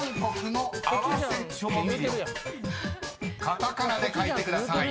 ［カタカナで書いてください］